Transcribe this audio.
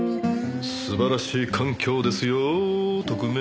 素晴らしい環境ですよ特命は！